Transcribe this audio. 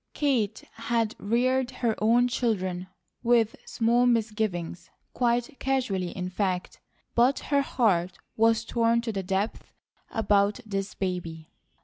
Kate had reared her own children with small misgivings, quite casually, in fact; but her heart was torn to the depths about this baby.